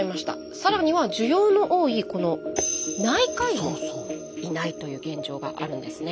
更には需要の多いこの内科医もいないという現状があるんですね。